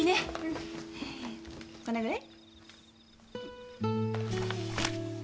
このぐらい？